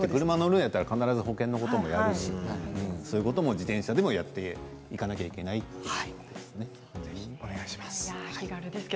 車に乗るんだったら必ず保険のこともやるしそういうことを自転車でもやっていかなきゃいけないということですね。